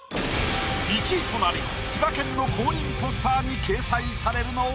１位となり千葉県の公認ポスターに掲載されるのは？